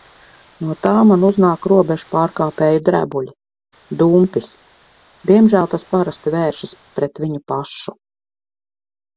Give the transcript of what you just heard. No tā man uznāk "robežpārkāpēja drebuļi". Dumpis. Diemžēl tas parasti vēršas pret viņu pašu.